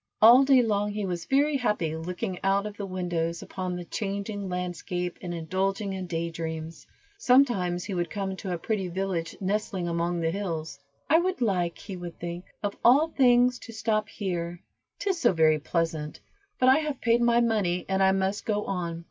All day long he was very happy looking out of the windows upon the changing landscape, and indulging in day dreams. Sometimes he would come to a pretty village nestling among the hills. "I would like," he would think, "of all things to stop here, 'tis so very pleasant, but I have paid my money, and I must go on."